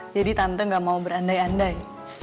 jadi tante gak mau berandai andai